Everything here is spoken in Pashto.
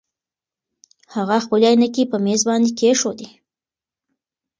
هغه خپلې عینکې په مېز باندې کېښودې.